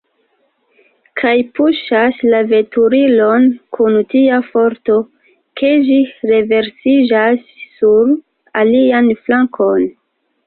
kaj puŝas la veturilon kun tia forto, ke ĝi renversiĝas sur alian flankon.